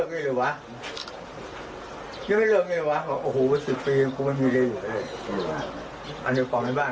สาเหตุที่เกิดมาจากครอบครัวมานาน